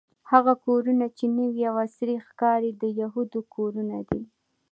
هغه کورونه چې نوې او عصري ښکاري د یهودو کورونه دي.